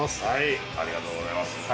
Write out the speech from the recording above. ありがとうございます。